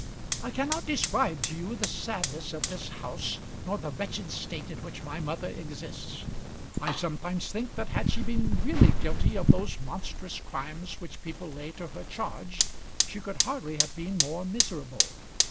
I cannot describe to you the sadness of this house, nor the wretched state in which my mother exists. I sometimes think that had she been really guilty of those monstrous crimes which people lay to her charge, she could hardly have been more miserable.